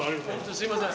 すいません。